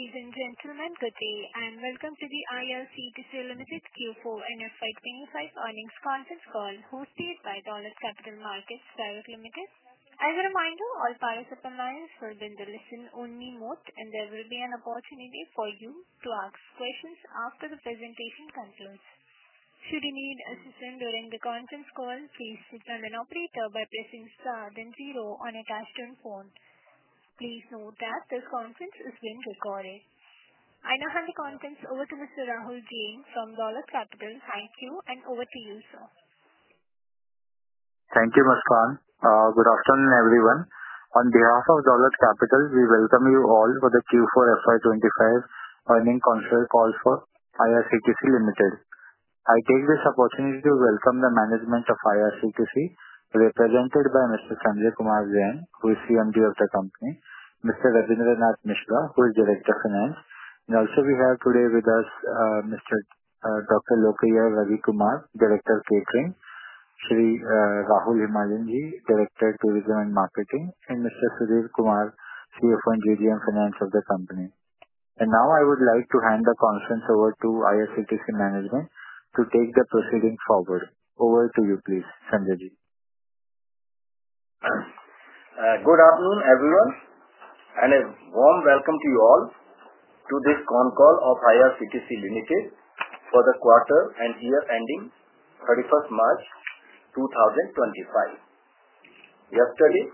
Ladies and gentlemen, good day, and welcome to the IRCTC Limited Q4 and FY25 earnings conference call hosted by Edelweiss Capital Markets Pvt. Ltd. As a reminder, all participants will be in the listen-only mode, and there will be an opportunity for you to ask questions after the presentation concludes. Should you need assistance during the conference call, please signal an operator by pressing star then zero on a touch-tone phone. Please note that this conference is being recorded. I now hand the conference over to Mr. Rahul Jain from Edelweiss Capital. Thank you, and over to you, sir. Thank you, Ms. Khan. Good afternoon, everyone. On behalf of Dolat Capital, we welcome you all for the Q4 FY2025 earnings conference call for IRCTC Limited. I take this opportunity to welcome the management of IRCTC, represented by Mr. Sanjay Kumar Jain, who is CMD of the company, Mr. Rabindra Nath Mishra, who is Director of Finance. Also, we have today with us Dr. Lokanath Ravikumar, Director of Catering, Shri Rahul Himalyaji, Director of Tourism and Marketing, and Mr. Sudhir Kumar, CFO and GDM Finance of the company. Now, I would like to hand the conference over to IRCTC management to take the proceeding forward. Over to you, please, Sanjay Ji. Good afternoon, everyone, and a warm welcome to you all to this con call of IRCTC for the quarter and year ending 31 March 2025. Yesterday,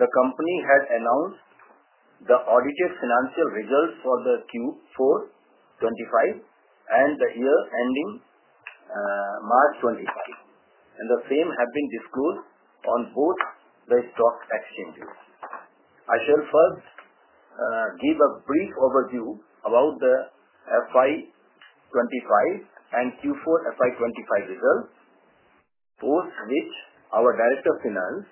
the company had announced the audited financial results for Q4 2025 and the year ending March 2025, and the same have been disclosed on both the stock exchanges. I shall first give a brief overview about the FY 2025 and Q4 FY 2025 results, post which our Director of Finance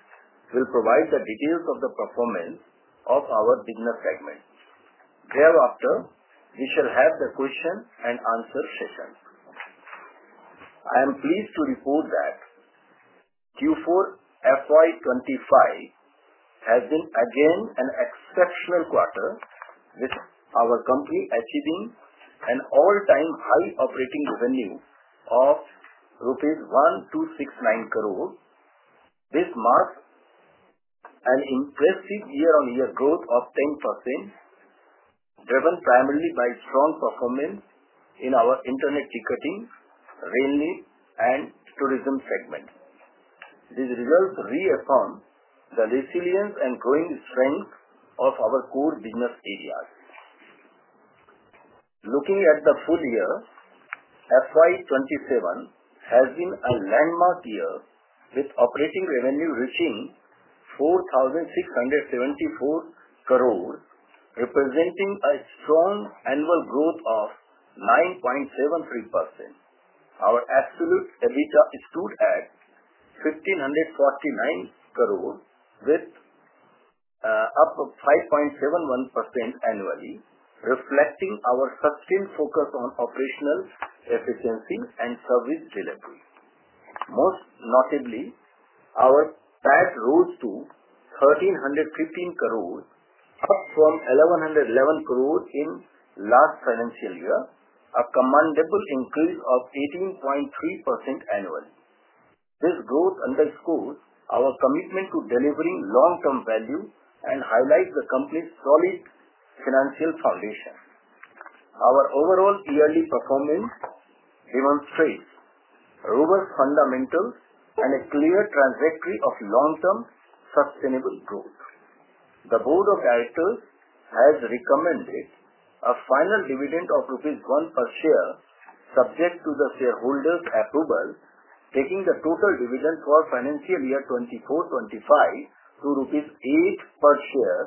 will provide the details of the performance of our business segment. Thereafter, we shall have the question-and-answer session. I am pleased to report that Q4 FY 2025 has been again an exceptional quarter, with our company achieving an all-time high operating revenue of INR 1,269 crore. This marks an impressive year-on-year growth of 10%, driven primarily by strong performance in our internet ticketing, catering, and tourism segment. These results reaffirm the resilience and growing strength of our core business areas. Looking at the full year, FY 2025 has been a landmark year, with operating revenue reaching 4,674 crore, representing a strong annual growth of 9.73%. Our absolute EBITDA stood at INR 1,549 crore, up 5.71% annually, reflecting our sustained focus on operational efficiency and service delivery. Most notably, our PAT rose to 1,315 crore, up from 1,111 crore in the last financial year, a commendable increase of 18.3% annually. This growth underscores our commitment to delivering long-term value and highlights the company's solid financial foundation. Our overall yearly performance demonstrates robust fundamentals and a clear trajectory of long-term sustainable growth. The Board of Directors has recommended a final dividend of 1 rupee per share, subject to the shareholders' approval, taking the total dividend for financial year 2024-2025 to rupees 8 per share,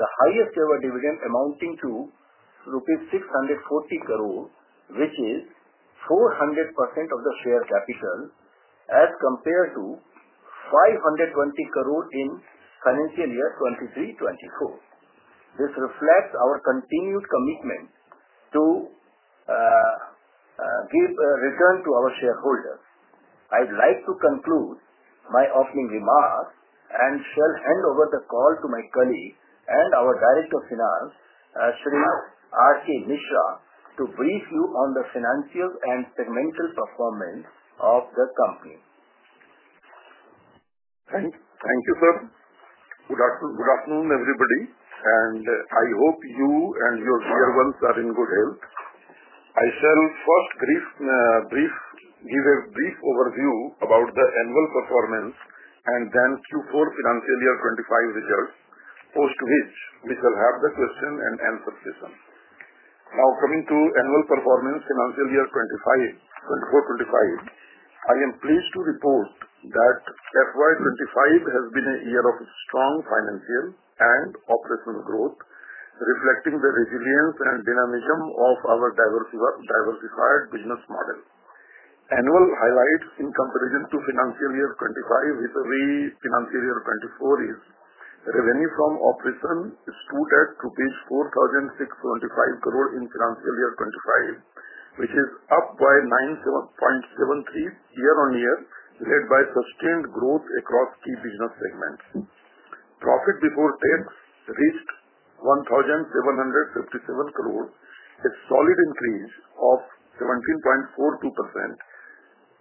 the highest-ever dividend amounting to rupees 640 crore, which is 400% of the share capital, as compared to 520 crore in financial year 2023-2024. This reflects our continued commitment to give return to our shareholders. I'd like to conclude my opening remarks and shall hand over the call to my colleague and our Director of Finance, Shri Rabindra Nath Mishra, to brief you on the financial and segmental performance of the company. Thank you, sir. Good afternoon, everybody. I hope you and your dear ones are in good health. I shall first give a brief overview about the annual performance and then Q4 financial year 2025 results, post which we shall have the question-and-answer session. Now, coming to annual performance financial year 2024-2025, I am pleased to report that FY2025 has been a year of strong financial and operational growth, reflecting the resilience and dynamism of our diversified business model. Annual highlights in comparison to financial year 2025 with the way financial year 2024 is, revenue from operation stood at INR 4,675 crore in financial year 2025, which is up by 9.73% year-on-year, led by sustained growth across key business segments. Profit before tax reached 1,757 crore, a solid increase of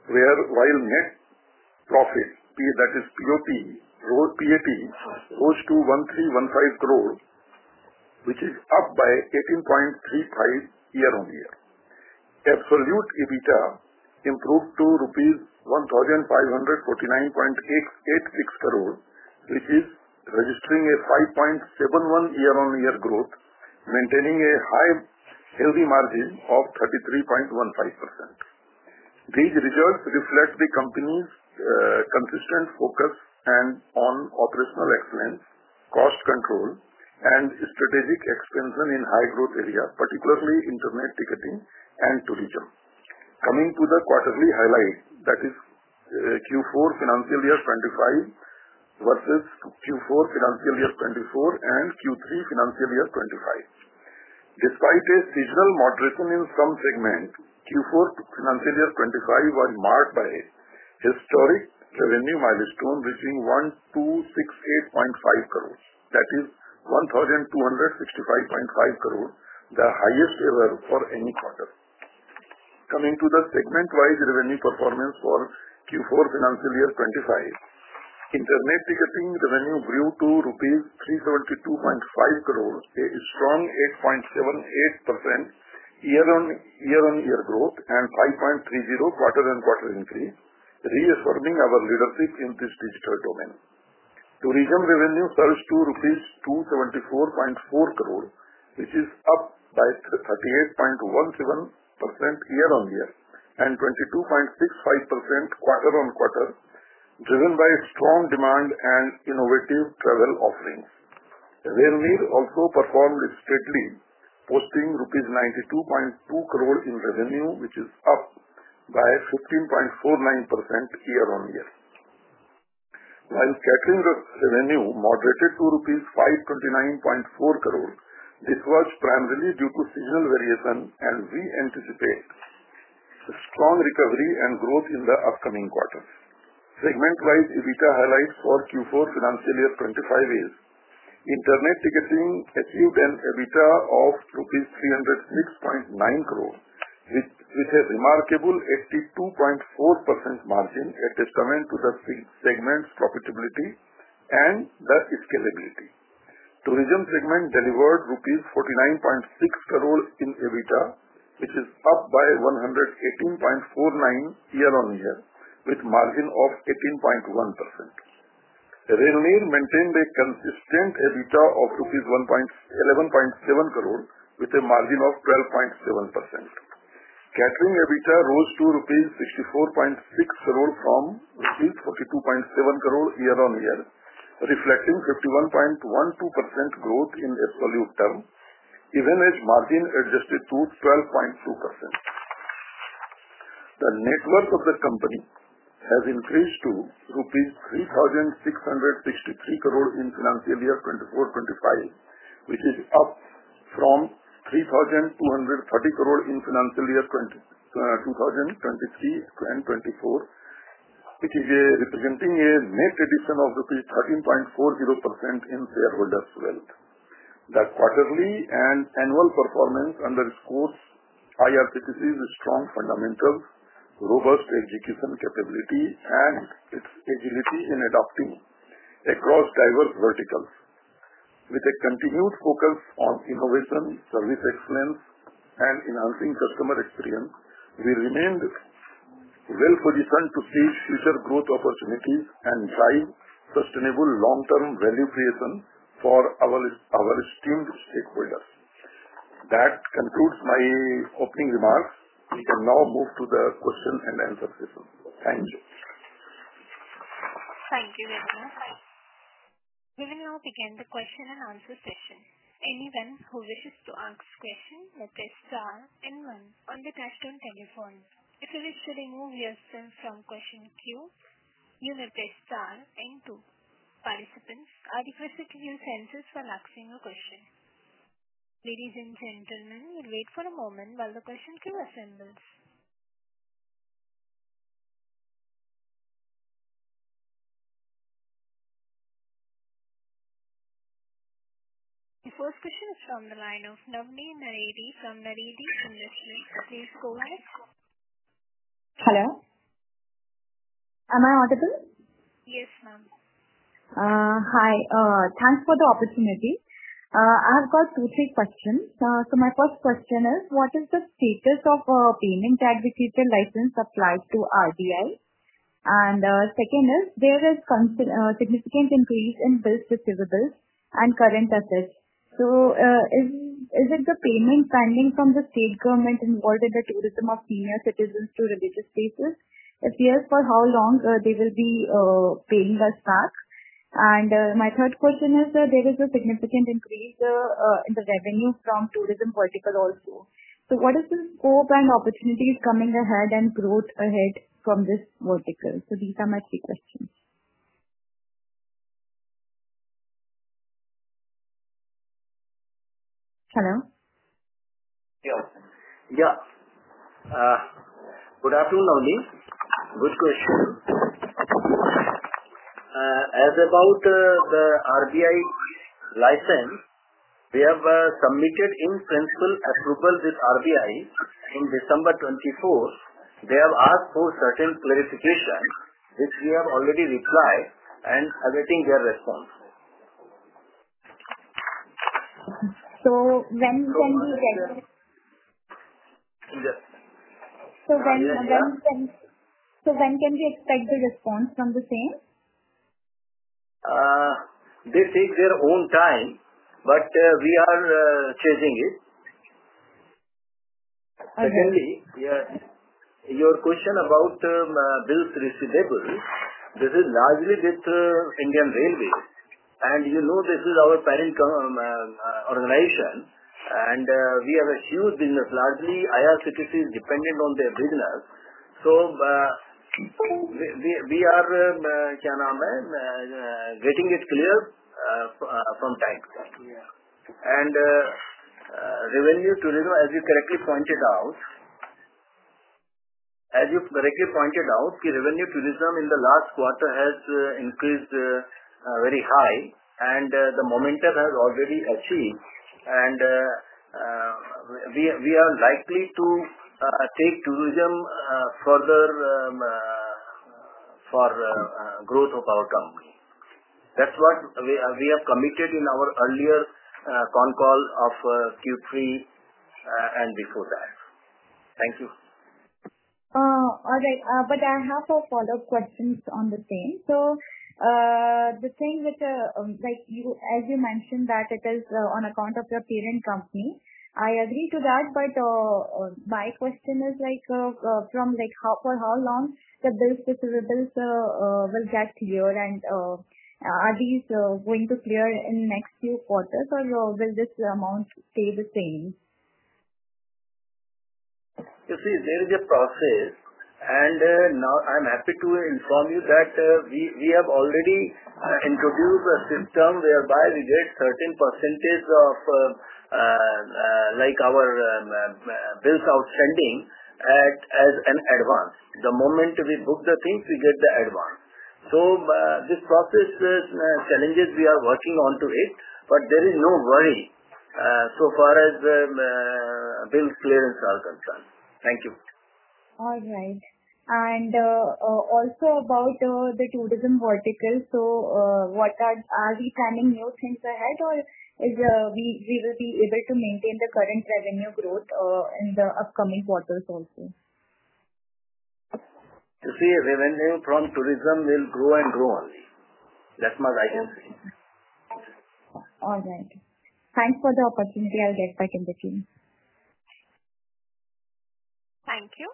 17.42%, while net profit, that is PAT, rose to 1,315 crore, which is up by 18.35% year-on-year. Absolute EBITDA improved to INR 1,549.86 crore, which is registering a 5.71% year-on-year growth, maintaining a high healthy margin of 33.15%. These results reflect the company's consistent focus on operational excellence, cost control, and strategic expansion in high-growth areas, particularly internet ticketing and tourism. Coming to the quarterly highlight, that is Q4 financial year 2025 versus Q4 financial year 2024 and Q3 financial year 2025. Despite a seasonal moderation in some segments, Q4 financial year 2025 was marked by a historic revenue milestone reaching 1,268.5 crore, that is 1,265.5 crore, the highest ever for any quarter. Coming to the segment-wise revenue performance for Q4 financial year 2025, internet ticketing revenue grew to rupees 372.5 crore, a strong 8.78% year-on-year growth, and 5.30% quarter-on-quarter increase, reaffirming our leadership in this digital domain. Tourism revenue surged to 274.4 crore rupees, which is up by 38.17% year-on-year and 22.65% quarter-on-quarter, driven by strong demand and innovative travel offerings. Railway also performed straightly, posting rupees 92.2 crore in revenue, which is up by 15.49% year-on-year. While catering revenue moderated to 529.4 crore rupees, this was primarily due to seasonal variation, and we anticipate strong recovery and growth in the upcoming quarters. Segment-wise EBITDA highlights for Q4 financial year 2025 is, internet ticketing achieved an EBITDA of rupees 306.9 crore, which is a remarkable 82.4% margin, a testament to the segment's profitability and the scalability. Tourism segment delivered 49.6 crore rupees in EBITDA, which is up by 118.49% year-on-year, with a margin of 18.1%. Railway maintained a consistent EBITDA of INR 11.7 crore, with a margin of 12.7%. Catering EBITDA rose to 64.6 crore from 42.7 crore year-on-year, reflecting 51.12% growth in absolute term, even as margin adjusted to 12.2%. The net worth of the company has increased to rupees 3,663 crore in financial year 2024-2025, which is up from 3,230 crore in financial year 2023-2024, representing a net addition of 13.40% in shareholders' wealth. The quarterly and annual performance underscores IRCTC's strong fundamentals, robust execution capability, and its agility in adapting across diverse verticals. With a continued focus on innovation, service excellence, and enhancing customer experience, we remained well-positioned to seize future growth opportunities and drive sustainable long-term value creation for our esteemed stakeholders. That concludes my opening remarks. We can now move to the question-and-answer session. Thank you. Thank you very much. We will now begin the question-and-answer session. Anyone who wishes to ask a question may press star and one on the touch-tone telephone. If you wish to remove yourself from question queue, you may press star and two. Participants are requested to use hands for asking a question. Ladies and gentlemen, we'll wait for a moment while the question queue assembles. The first question is from the line of Navani Naredi from Naredi Investments. Please go ahead. Hello. Am I audible? Yes, ma'am. Hi. Thanks for the opportunity. I have got two or three questions. My first question is, what is the status of payment aggregator license applied to RBI? Second is, there is a significant increase in bills receivables and current assets. Is it the payment pending from the state government involved in the tourism of senior citizens to religious places? If yes, for how long will they be paying us back? My third question is, there is a significant increase in the revenue from tourism vertical also. What is the scope and opportunities coming ahead and growth ahead from this vertical? These are my three questions. Hello? Yes. Yeah. Good afternoon, Navni. Good question. As about the RBI license, we have submitted in-principle approval with RBI in December 2024. They have asked for certain clarification, which we have already replied and awaiting their response. When can we get? Yes. When can we expect the response from the same? They take their own time, but we are chasing it. Secondly, your question about bills receivable, this is largely with Indian Railways. You know this is our parent organization, and we have a huge business. Largely, IRCTC is dependent on their business. We are getting it clear from them. Revenue tourism, as you correctly pointed out, in the last quarter has increased very high, and the momentum has already been achieved. We are likely to take tourism further for the growth of our company. That is what we have committed in our earlier phone call of Q3 and before that. Thank you. All right. I have a follow-up question on the same. The thing which, as you mentioned, that it is on account of your parent company. I agree to that, but my question is for how long the bills receivables will get clear? Are these going to clear in the next few quarters, or will this amount stay the same? You see, there is a process. Now I'm happy to inform you that we have already introduced a system whereby we get a certain % of our bills outstanding as an advance. The moment we book the things, we get the advance. This process challenges we are working onto it, but there is no worry so far as bill clearance are concerned. Thank you. All right. Also, about the tourism vertical, are we planning new things ahead, or will we be able to maintain the current revenue growth in the upcoming quarters also? You see, revenue from tourism will grow and grow only. That much I can say. All right. Thanks for the opportunity. I'll get back in the queue. Thank you.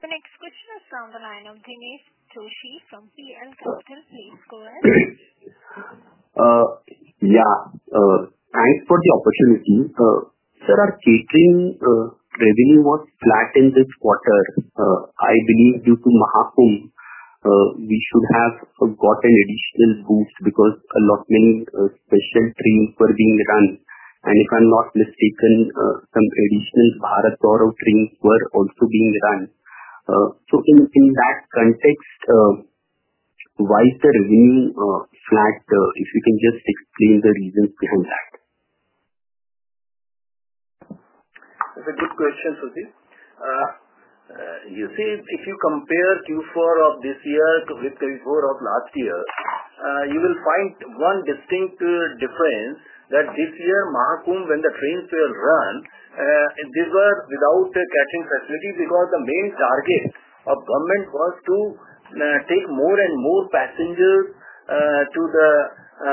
The next question is from the line of Jinesh Joshi from PL Capital. Please go ahead. Yeah. Thanks for the opportunity. Sir, catering revenue was flat in this quarter. I believe due to Mahakumbh, we should have got an additional boost because a lot many special trains were being run. If I'm not mistaken, some additional Bharat Gaurav trains were also being run. In that context, why is the revenue flat? If you can just explain the reasons behind that. That's a good question, Suji. You see, if you compare Q4 of this year with Q4 of last year, you will find one distinct difference that this year, Mahakumbh, when the trains were run, they were without catering facilities because the main target of government was to take more and more passengers to the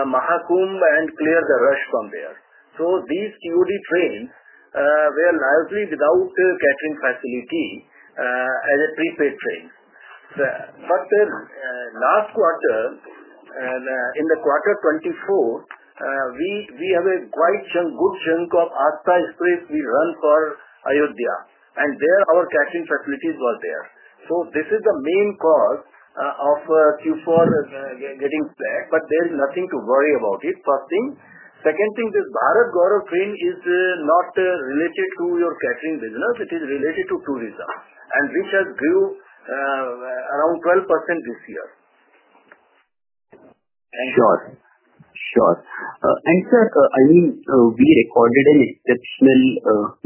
Mahakumbh and clear the rush from there. These TOD trains were largely without catering facility as a prepaid train. Last quarter, in the quarter 2024, we have a good chunk of Aksai Express we run for Ayodhya. There, our catering facilities were there. This is the main cause of Q4 getting flat, but there is nothing to worry about it, first thing. Second thing is Bharat Gaurav train is not related to your catering business. It is related to tourism, and which has grew around 12% this year. Thank you. Sure. Sure. Sir, I mean, we recorded an exceptional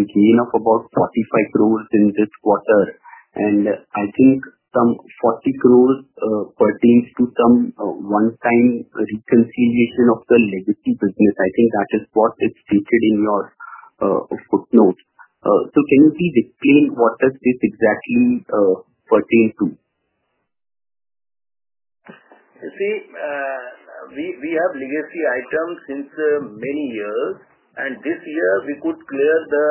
gain of about 450,000,000 in this quarter. I think some 400,000,000 pertains to some one-time reconciliation of the legacy business. I think that is what is stated in your footnotes. Can you please explain what this exactly pertains to? You see, we have legacy items since many years. This year, we could clear the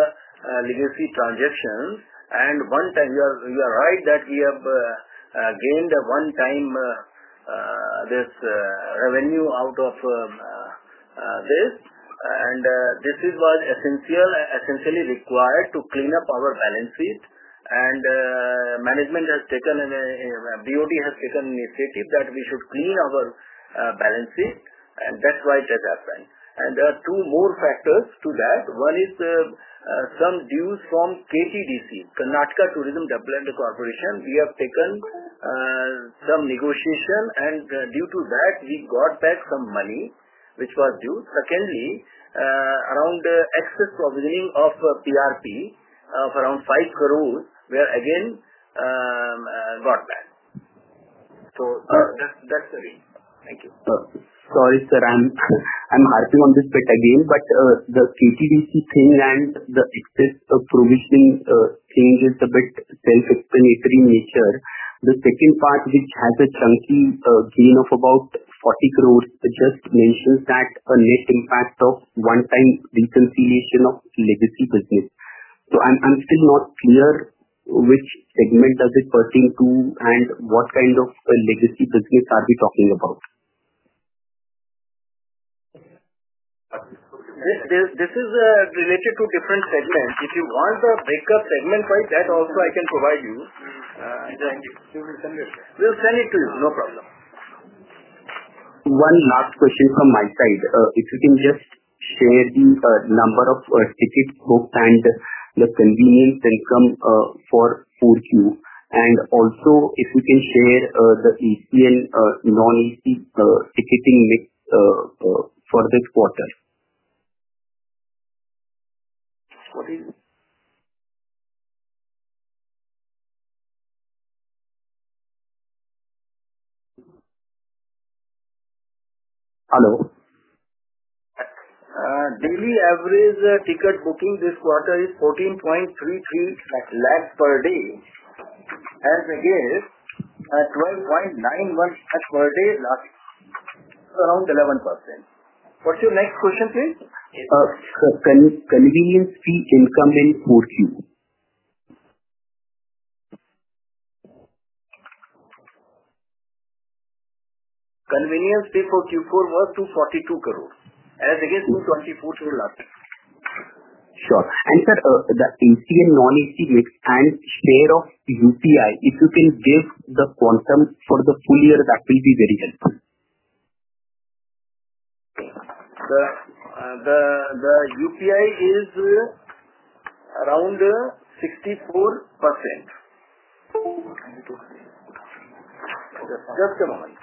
legacy transactions. One time, you are right that we have gained one time this revenue out of this. This was essentially required to clean up our balance sheet. Management has taken, a BOD has taken initiative that we should clean our balance sheet. That is why it has happened. There are two more factors to that. One is some dues from Karnataka Tourism Development Corporation. We have taken some negotiation, and due to that, we got back some money, which was due. Secondly, around excess provisioning of PRP of around INR 5 crore were again got back. That is the reason. Thank you. Sorry, sir. I'm harping on this bit again. The KTDC thing and the excess provisioning thing is a bit self-explanatory in nature. The second part, which has a chunky gain of about 400 million, just mentions that a net impact of one-time reconciliation of legacy business. I'm still not clear which segment does it pertain to and what kind of legacy business are we talking about? This is related to different segments. If you want the breakup segment, that also I can provide you. Thank you. We will send it to you. We'll send it to you. No problem. One last question from my side. If you can just share the number of tickets booked and the convenience income for full Q. And also, if you can share the EC and non-EC ticketing mix for this quarter. What is it? Hello? Daily average ticket booking this quarter is 14.33 lakh per day. As against 12.91 lakh per day, around 11%. What's your next question, please? Sirs, convenience fee income in full queue? Convenience fee for Q4 was INR 2.42 billion. As against INR 2.24 billion last year. Sure. Sir, the EC and non-EC mix and share of UPI, if you can give the quantum for the full year, that will be very helpful. The UPI is around 64%. Just a moment.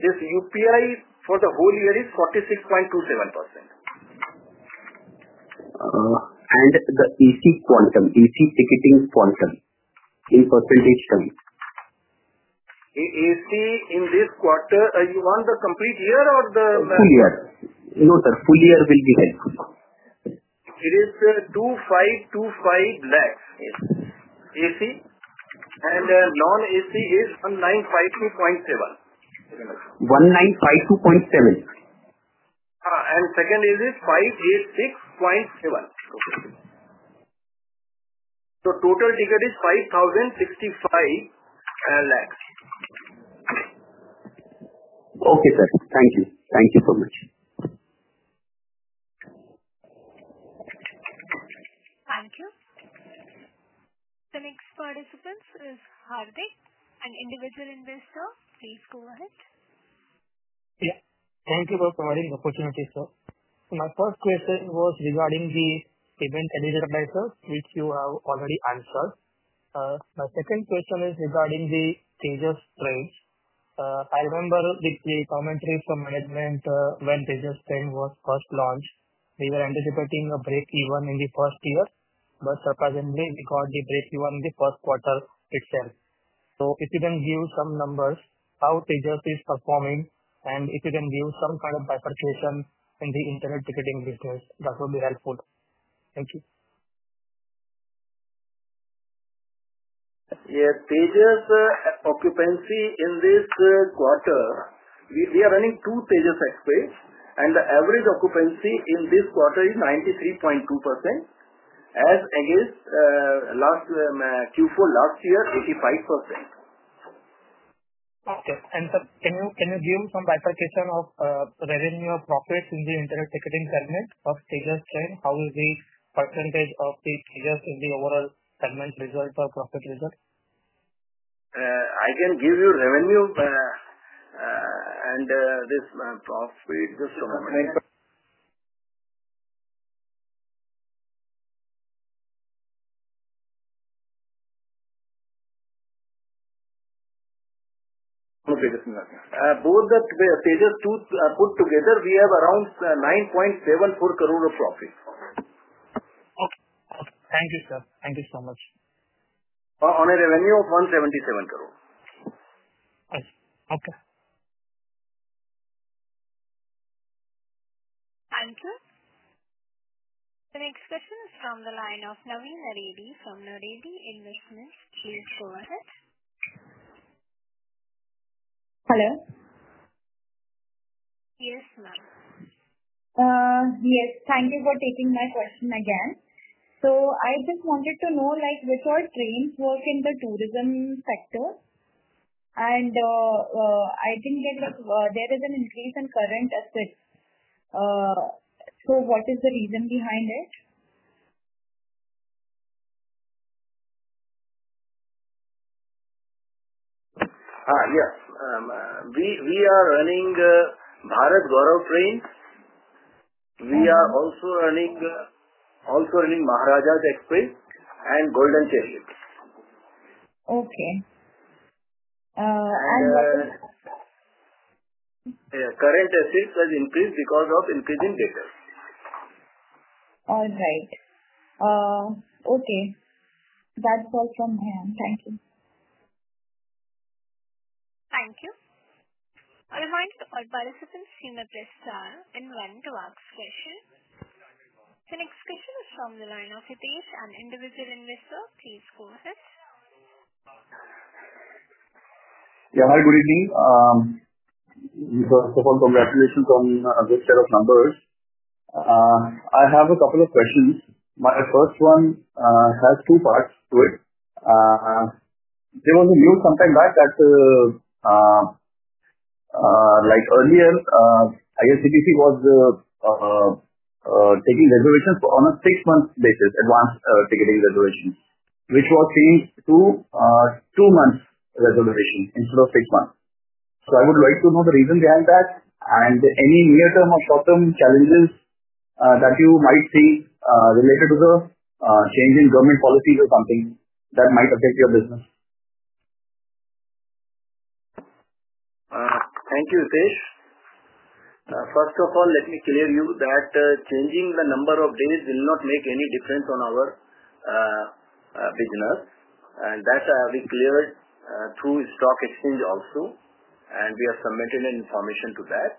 This UPI for the whole year is 46.27%. The EC quantum, EC ticketing quantum, in percentage terms? EC in this quarter, you want the complete year or the? The full year. No, sir. Full year will be helpful. It is INR 2,525 lakhs. EC and non-EC is 1,952.7. 1952.7. Second is 586.7. Total ticket is 5,065 lakhs. Okay, sir. Thank you. Thank you so much. Thank you. The next participant is Hardik, an individual investor. Please go ahead. Yeah. Thank you for providing the opportunity, sir. My first question was regarding the payment aggregator license, which you have already answered. My second question is regarding the Tejas Trains. I remember with the commentary from management when Tejas Trains was first launched, we were anticipating a break-even in the first year. Surprisingly, we got the break-even in the first quarter itself. If you can give some numbers on how Tejas is performing and if you can give some kind of bifurcation in the internet ticketing business, that would be helpful. Thank you. Tejas occupancy in this quarter, we are running two Tejas Express. The average occupancy in this quarter is 93.2%, as against Q4 last year, 85%. Okay. Sir, can you give some bifurcation of revenue or profits in the internet ticketing segment of Tejas Trains? How is the percentage of the Tejas in the overall segment result or profit result? I can give you revenue and this profit. Just a moment. Okay. Both the Tejas two put together, we have around 9.74 crore of profit. Okay. Okay. Thank you, sir. Thank you so much. On a revenue of 177 crore. Okay. Thank you. The next question is from the line of Navani Naredi from Naredi Investments, please go ahead. Hello? Yes, ma'am. Yes. Thank you for taking my question again. I just wanted to know which all trains work in the tourism sector. I did not get there is an increase in current as well. What is the reason behind it? Yes. We are running Bharat Gaurav trains. We are also running Maharajas' Express and Golden Chariot. Okay. And. Current assets has increased because of increase in data. All right. Okay. That's all from him. Thank you. Thank you. All right. All participants seem to be present in one to ask question. The next question is from the line of Hitesh, an individual investor. Please go ahead. Yeah. Hi. Good evening. First of all, congratulations on this set of numbers. I have a couple of questions. My first one has two parts to it. There was a news sometime back that earlier, I guess IRCTC was taking reservations on a six-month basis, advance ticketing reservations, which was changed to two-month reservation instead of six months. I would like to know the reason behind that and any near-term or short-term challenges that you might see related to the change in government policies or something that might affect your business. Thank you, Hitesh. First of all, let me clear you that changing the number of days will not make any difference on our business. That we cleared through stock exchange also. We have submitted information to that.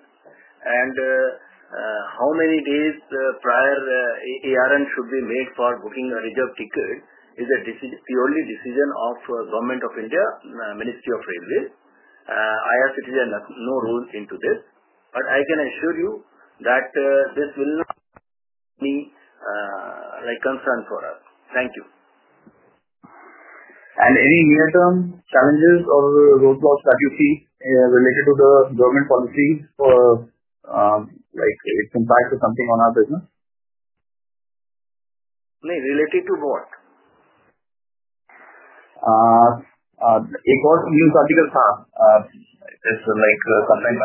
How many days prior ARN should be made for booking a reserve ticket is a purely decision of Government of India, Ministry of Railways. I have citizen no role into this. I can assure you that this will not be any concern for us. Thank you. there any near-term challenges or roadblocks that you see related to the government policies for its impact or something on our business? Related to what? A news article thought sometime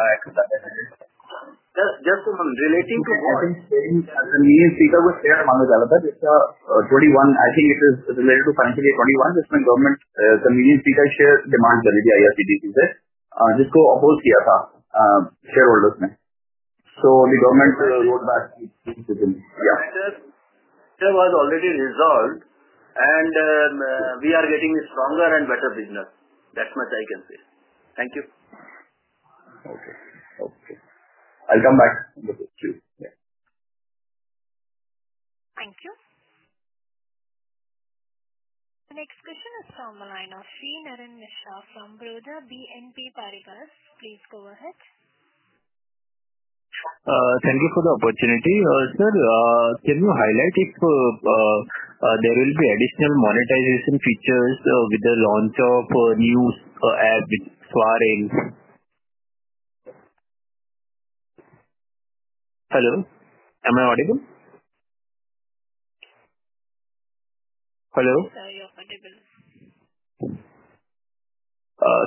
back. Just a moment. Relating to what? I think the speaker was shared Manoj Kumar Sharma 21. I think it is related to financial year 2021. Government convenience ticket share demand committee IRCTC, which was opposed shareholders then. So the government rolled back. Yeah. Matter was already resolved. We are getting stronger and better business. That's much I can say. Thank you. Okay. Okay. I'll come back to you. Thank you. The next question is from the line of Shrinarayan Mishra from BNP Paribas. Please go ahead. Thank you for the opportunity. Sir, can you highlight if there will be additional monetization features with the launch of new app with SwaRail? Hello? Am I audible? Hello? Yes, sir. You're audible.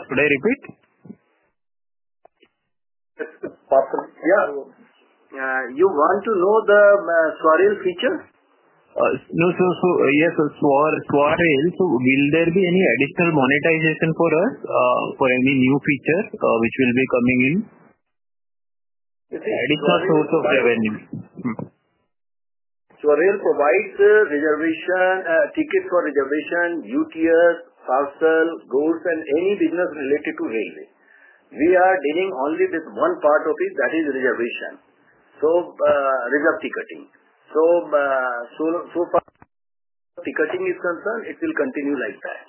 Should I repeat? Yeah. You want to know the SwaRail feature? Yes. SwaRail, will there be any additional monetization for us for any new feature which will be coming in? Additional source of revenue. SwaRail provides tickets for reservation, UTS, parcel, goods, and any business related to railway. We are dealing only with one part of it, that is reservation. So, reserve ticketing. As far as ticketing is concerned, it will continue like that.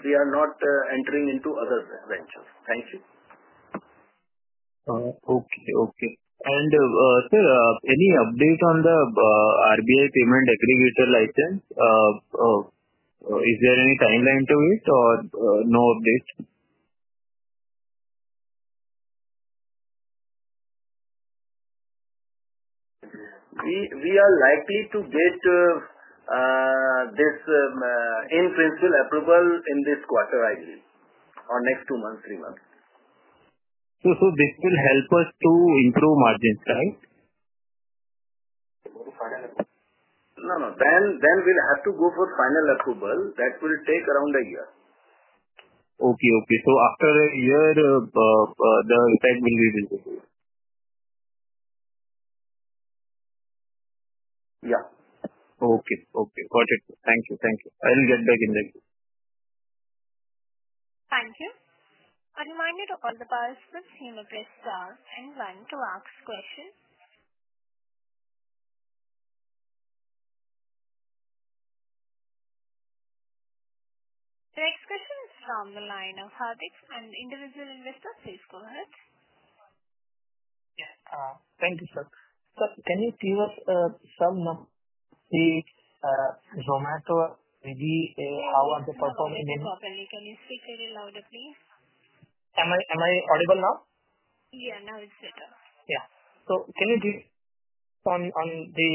We are not entering into other ventures. Thank you. Okay. Okay. Sir, any update on the RBI payment aggregator license? Is there any timeline to it or no update? We are likely to get this in principle approval in this quarter, I believe, or next two months, three months. This will help us to improve margins, right? No, no. Then we'll have to go for final approval. That will take around a year. Okay. Okay. So after a year, the effect will be visible. Yeah. Okay. Okay. Got it. Thank you. Thank you. I'll get back in the. Thank you. A reminder to all the participants, if you seem to be present and want to ask questions. The next question is from the line of Hardik, an individual investor. Please go ahead. Yes. Thank you, sir. Sir, can you give us some of the Zomato EV? How are they performing? Thank you, Mr. Kopali. Can you speak very loudly, please? Am I audible now? Yeah. Now it's better. Yeah. So can you give on the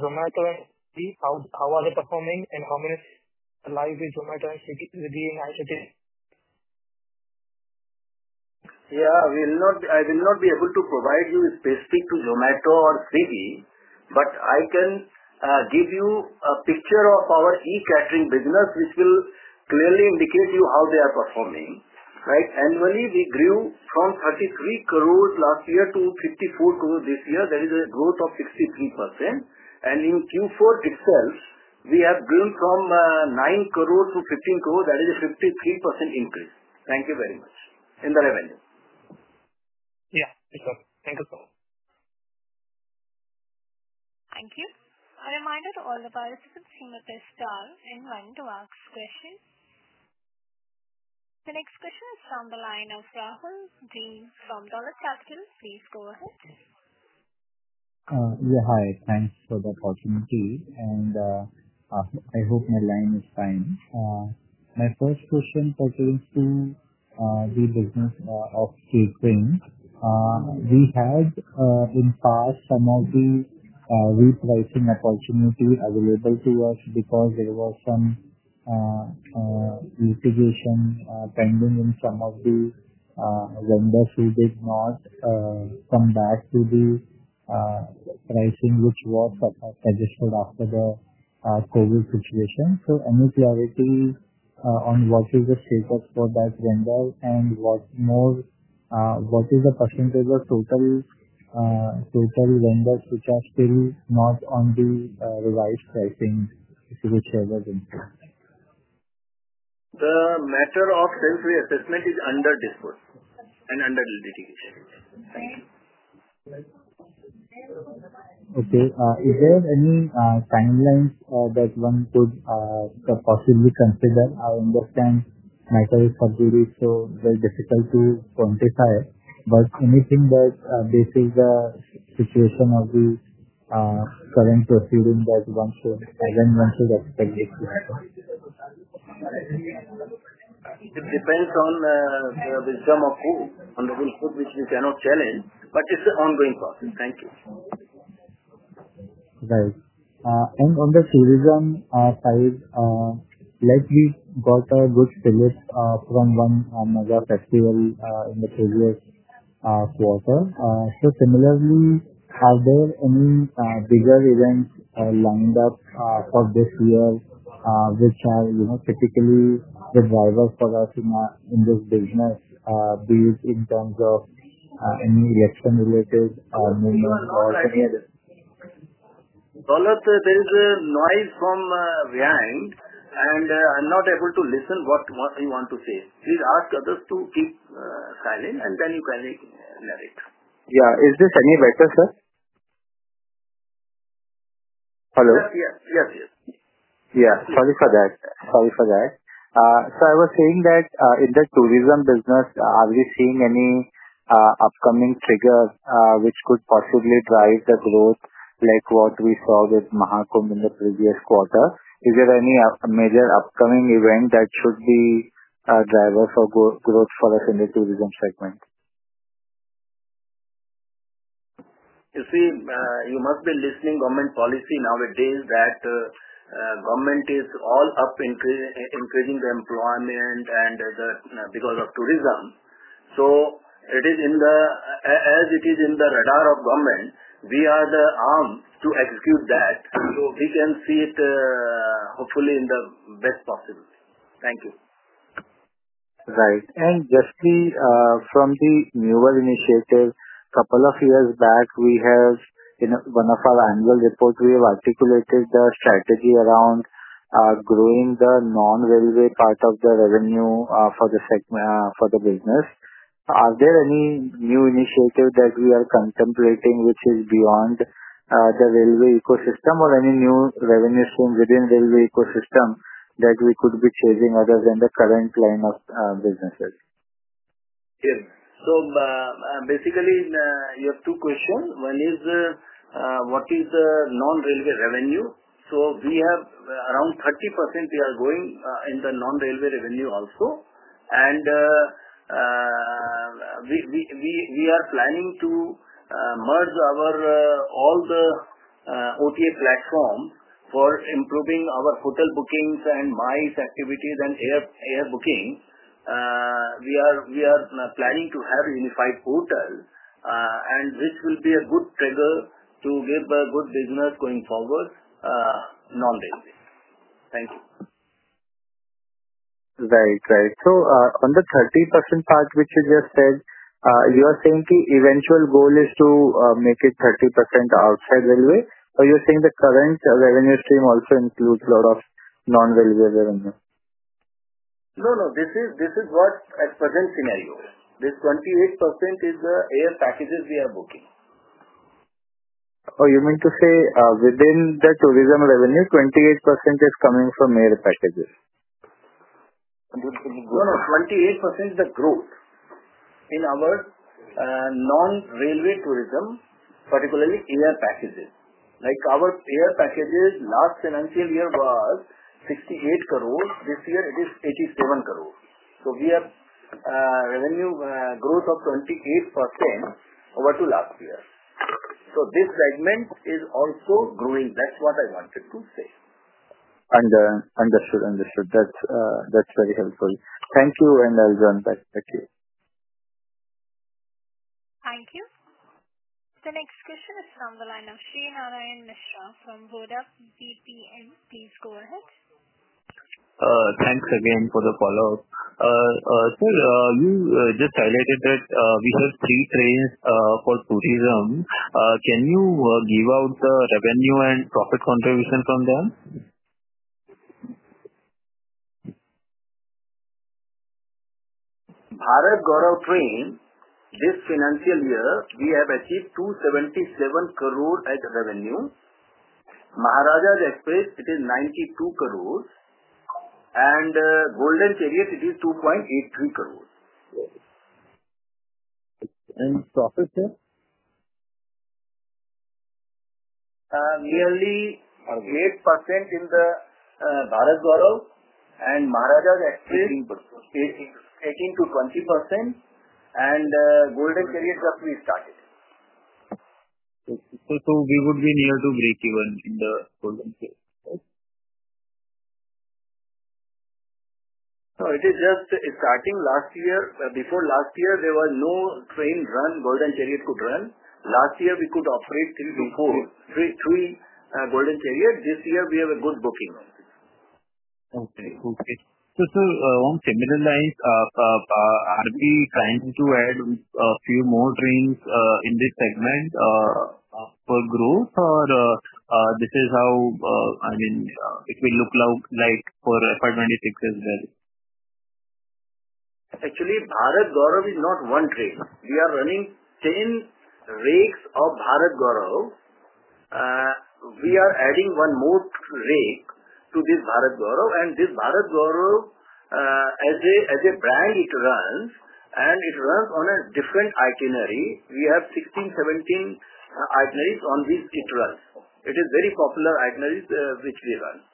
Zomato and EV, how are they performing and how many live with Zomato and Swiggy in IRCTC? Yeah. I will not be able to provide you with basic to Zomato or Swiggy, but I can give you a picture of our e-catering business, which will clearly indicate to you how they are performing. Right? Annually, we grew from 33 crore last year to 54 crore this year. That is a growth of 63%. In Q4 itself, we have grown from 9 crore to 15 crore. That is a 53% increase. Thank you very much in the revenue. Yeah. Thank you, sir. Thank you, sir. Thank you. A reminder to all the participants, if you seem to be present and want to ask questions. The next question is from the line of Rahul Dean from Dollar Capital. Please go ahead. Yeah. Hi. Thanks for the opportunity. I hope my line is fine. My first question pertains to the business of catering. We had in past some of the repricing opportunity available to us because there was some litigation pending in some of the vendors who did not come back to the pricing, which was suggested after the COVID situation. Any clarity on what is the status for that vendor and what is the percentage of total vendors which are still not on the revised pricing, whichever? The matter of self-reassessment is under disposal and under litigation. Thank you. Okay. Is there any timelines that one could possibly consider? I understand matter is subdued, so very difficult to quantify. Anything that bases the situation of the current proceeding that when one should expect it to happen? It depends on the wisdom of who and the whole group, which we cannot challenge. It is an ongoing process. Thank you. Right. On the tourism side, like we got a good split from one another festival in the previous quarter. Similarly, are there any bigger events lined up for this year, which are typically the driver for us in this business, be it in terms of any election-related movement or any other? Dollar, there is a noise from behind, and I'm not able to listen to what you want to say. Please ask others to keep silent, and then you can narrate. Yeah. Is this any better, sir? Hello? Yes. Yes. Yes. Yeah. Sorry for that. Sorry for that. I was saying that in the tourism business, are we seeing any upcoming trigger which could possibly drive the growth like what we saw with Mahakum in the previous quarter? Is there any major upcoming event that should be a driver for growth for us in the tourism segment? You see, you must be listening to government policy nowadays that government is all up increasing the employment because of tourism. As it is in the radar of government, we are the arm to execute that. We can see it hopefully in the best possible. Thank you. Right. Just from the newer initiative, a couple of years back, we have in one of our annual reports, we have articulated the strategy around growing the non-railway part of the revenue for the business. Are there any new initiatives that we are contemplating which is beyond the railway ecosystem or any new revenue stream within the railway ecosystem that we could be chasing other than the current line of businesses? Yes. Basically, you have two questions. One is what is the non-railway revenue? We have around 30% we are going in the non-railway revenue also. We are planning to merge all the OTA platforms for improving our hotel bookings and MICE activities and air booking. We are planning to have a unified portal, and this will be a good trigger to give a good business going forward non-railway. Thank you. Right. Right. So on the 30% part, which you just said, you are saying the eventual goal is to make it 30% outside railway, or you're saying the current revenue stream also includes a lot of non-railway revenue? No. No. This is what at present scenario. This 28% is the air packages we are booking. Oh, you mean to say within the tourism revenue, 28% is coming from air packages? No. No. 28% is the growth in our non-railway tourism, particularly air packages. Our air packages last financial year was 680 million. This year, it is 870 million. We have revenue growth of 28% over to last year. This segment is also growing. That is what I wanted to say. Understood. Understood. That's very helpful. Thank you, and I'll join back. Thank you. Thank you. The next question is from the line of Sreenivasan Mishra from BNP Paribas. Please go ahead. Thanks again for the follow-up. Sir, you just highlighted that we have three trains for tourism. Can you give out the revenue and profit contribution from them? Bharat Gaurav Train, this financial year, we have achieved 277 crore as revenue. Maharajas' Express, it is 92 crore. Golden Chariot, it is 2.83 crore. Profit here? Nearly 8% in the Bharat Gaurav and Maharajas' Express, 18%-20%. Golden Chariot just we started. We would be near to break even in the Golden Chariot? No. It is just starting last year. Before last year, there was no train run, Golden Chariot could run. Last year, we could operate three to four Golden Chariot. This year, we have a good booking. Okay. Okay. So on similar lines, are we trying to add a few more trains in this segment for growth, or this is how, I mean, it will look like for FY 2026 as well? Actually, Bharat Gaurav is not one train. We are running 10 rakes of Bharat Gaurav. We are adding one more rake to this Bharat Gaurav. This Bharat Gaurav, as a brand, it runs. It runs on a different itinerary. We have 16-17 itineraries on which it runs. It is very popular itineraries which we run.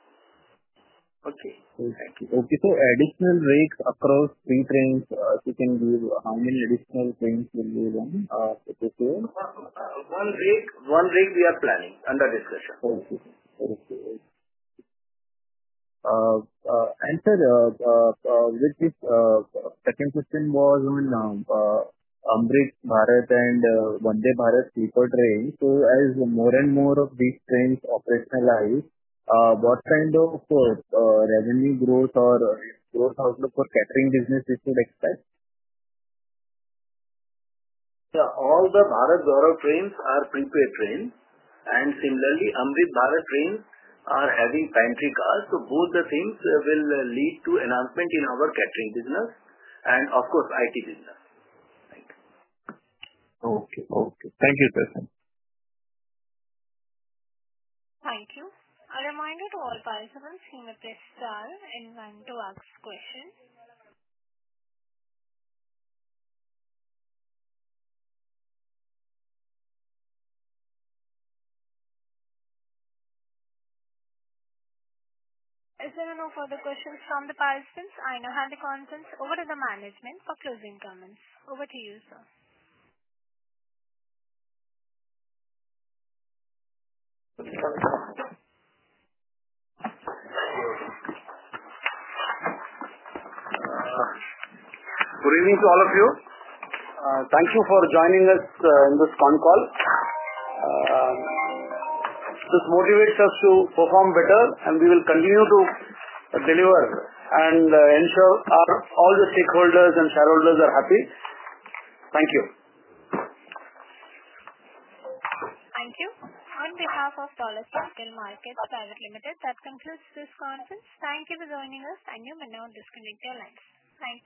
Okay. Thank you. Okay. So additional rakes across three trains, if you can give how many additional trains will be run this year? One rake, one rake we are planning under discussion. Thank you. Thank you. Sir, with this, second question was on Amrit Bharat and Vande Bharat sleeper trains. As more and more of these trains operationalize, what kind of revenue growth or growth outlook for catering business should we expect? Yeah. All the Bharat Gaurav trains are prepaid trains. Similarly, Amrit Bharat trains are having pantry cars. Both the things will lead to enhancement in our catering business and, of course, IT business. Thank you. Okay. Okay. Thank you, Prathan. Thank you. A reminder to all participants, if you seem to be present and want to ask questions. Is there any further questions from the participants? I now hand the conference over to the management for closing comments. Over to you, sir. Good evening to all of you. Thank you for joining us in this con call. This motivates us to perform better, and we will continue to deliver and ensure all the stakeholders and shareholders are happy. Thank you. Thank you. On behalf of Edelweiss Capital Markets Pvt. Ltd., that concludes this conference. Thank you for joining us, and you may now disconnect your lines. Thank you.